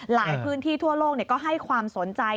หลายพื้นที่ทั่วโลกก็ให้ความสนใจ